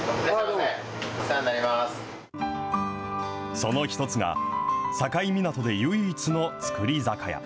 その一つが、境港で唯一の造り酒屋。